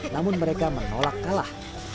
namun mereka menolak kalah